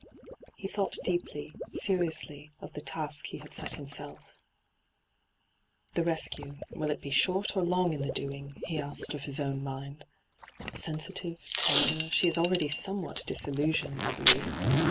He thought deeply, seriously, of the task he had set himself * The rescue — will it be short or long in the doing?' he asked of his own mind. 'Sensi tive, tender, she is already somewhat dis illusionized, I believe.